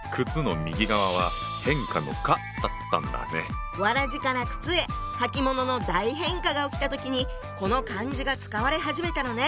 草鞋から靴へ履物の大変化が起きた時にこの漢字が使われ始めたのね。